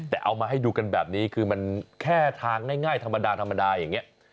แต่เอามาให้ดูกันแบบนี้คือมันแค่ทางง่ายธรรมดาธรรมดาอย่างนี้